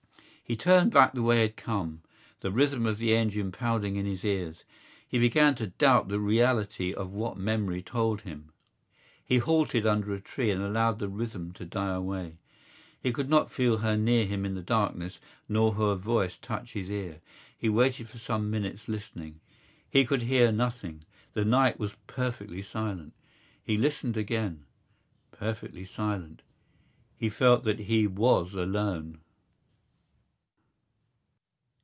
He turned back the way he had come, the rhythm of the engine pounding in his ears. He began to doubt the reality of what memory told him. He halted under a tree and allowed the rhythm to die away. He could not feel her near him in the darkness nor her voice touch his ear. He waited for some minutes listening. He could hear nothing: the night was perfectly silent. He listened again: perfectly silent. He felt that he was alone.